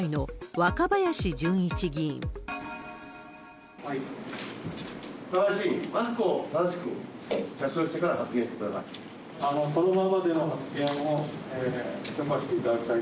若林議員、マスクを正しく着用してから発言してください。